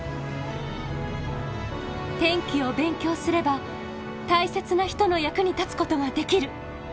天気を勉強すれば大切な人の役に立つことができる！